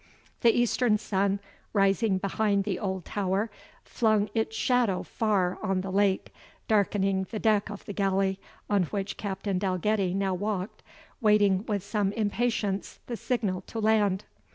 The eastern sun, rising behind the old tower, flung its shadow far on the lake, darkening the deck of the galley, on which Captain Dalgetty now walked, waiting with some impatience the signal to land.